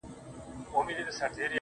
زما په مرگ دي خوشالي زاهدان هيڅ نکوي.